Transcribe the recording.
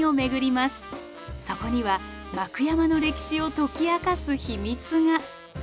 そこには幕山の歴史を解き明かす秘密が。